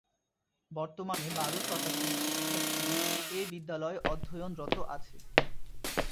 বর্তমানে বার শতাধিক শিক্ষার্থী এ বিদ্যালয়ে অধ্যয়নরত আছে।